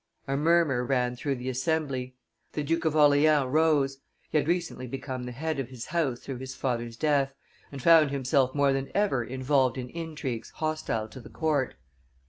A murmur ran through the assembly; the Duke of Orleans rose; he had recently become the head of his house through his father's death, and found himself more than ever involved in intrigues hostile to the court.